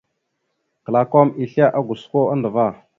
Klakom islégosko andəvá.